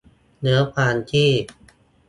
เนื้อความที่